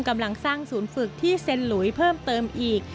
กำลังสร้างศูนย์ฝึกที่เซ็นหลุยเพิ่มเติมอีก